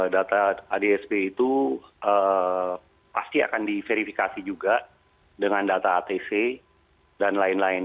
data adsb itu pasti akan diverifikasi juga dengan data atv dan lain lain